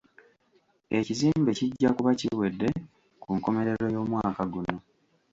Ekizimbe kijja kuba kiwedde ku nkomerero y'omwaka guno.